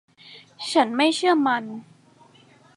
ฉันไม่เชื่อมัน